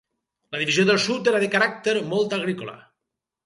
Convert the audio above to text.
La divisió del sud era de caràcter molt agrícola.